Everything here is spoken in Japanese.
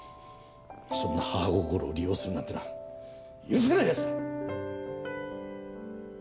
そんな母心を利用するなんていうのは許せない奴だ！